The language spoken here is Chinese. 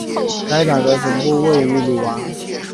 该党的总部位于鲁昂。